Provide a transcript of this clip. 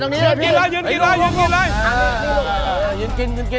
มาด้วยท่านลูกกินหน่อย